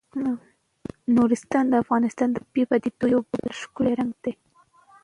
نورستان د افغانستان د طبیعي پدیدو یو بل ښکلی رنګ دی.